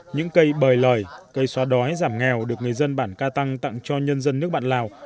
những cây bời lời cây xóa đói giảm nghèo được người dân bản ca tăng tặng cho nhân dân nước bạn lào